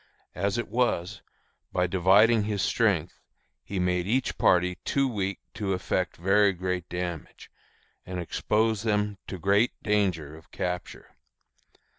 As it was, by dividing his strength, he made each party too weak to effect very great damage, and exposed them to great danger of capture.